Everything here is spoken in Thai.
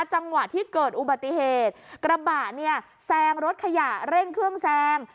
จังหวะที่เกิดอุบัติเหตุกระบะเนี่ยแซงรถขยะเร่งเครื่องแซง